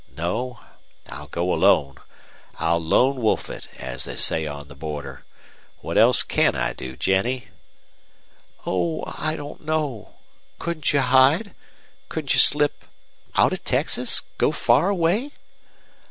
No, I'll go alone. I'll lone wolf it, as they say on the border. What else can I do, Jennie?" "Oh, I don't know. Couldn't you hide? Couldn't you slip out of Texas go far away?"